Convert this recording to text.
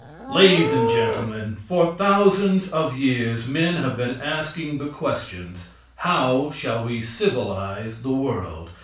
Ladies and Gentlemen: For thousands of years men have been asking the questions: "How shall we civilize the world?